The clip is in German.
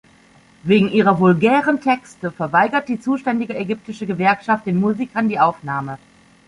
Wegen ihrer „vulgären Texte“ verweigert die zuständige ägyptische Gewerkschaft den Musikern die Aufnahme.